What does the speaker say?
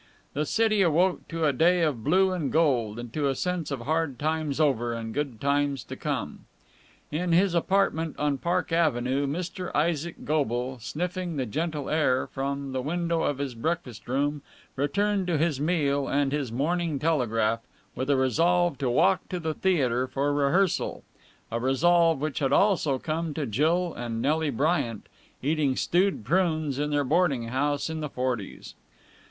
The city awoke to a day of blue and gold and to a sense of hard times over and good times to come. In his apartment on Park Avenue, Mr Isaac Goble, sniffing the gentle air from the window of his breakfast room, returned to his meal and his Morning Telegraph with a resolve to walk to the theatre for rehearsal: a resolve which had also come to Jill and Nelly Bryant, eating stewed prunes in their boarding house in the Forties.